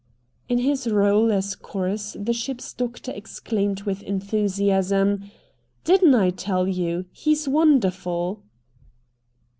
In his role as chorus the ship's doctor exclaimed with enthusiasm: "Didn't I tell you? He's wonderful."